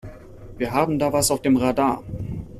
Wir haben da was auf dem Radar.